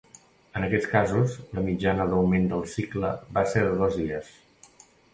En aquests casos, la mitjana d’augment del cicle va ser de dos dies.